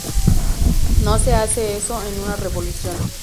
No se hace eso en una revolución.